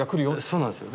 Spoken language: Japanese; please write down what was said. そうなんです。